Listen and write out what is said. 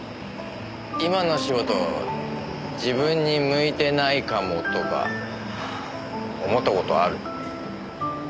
今の仕事自分に向いてないかもとか思った事ある？